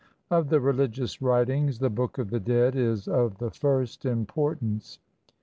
Of the religious writings, the "Book of the Dead" is of the first importance.